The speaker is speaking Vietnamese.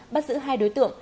bắt giữ hai đối tượng